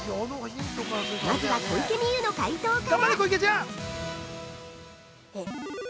まずは小池美由の解答から。